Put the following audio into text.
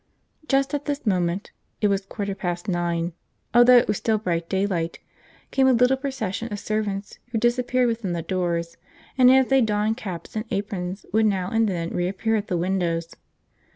Just at this moment it was quarter past nine, although it was still bright daylight came a little procession of servants who disappeared within the doors, and, as they donned caps and aprons, would now and then reappear at the windows.